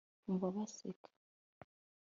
umva baseka